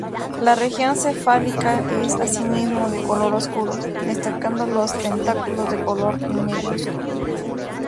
La región cefálica es asimismo de color oscuro, destacando los tentáculos de color negruzco.